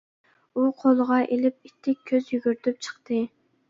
ئۇ قولىغا ئېلىپ ئىتتىك كۆز يۈگۈرتۈپ چىقتى.